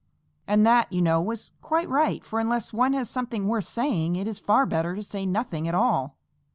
And that, you know, was quite right, for unless one has something worth saying, it is far better to say nothing at all.